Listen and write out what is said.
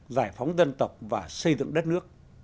giải phóng dân tộc và xây dựng đất nước